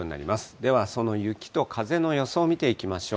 ではその雪と風の予想見ていきましょう。